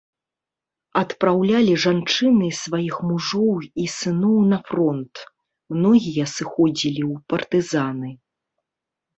Адпраўлялі жанчыны сваіх мужоў і сыноў на фронт, многія сыходзілі ў партызаны.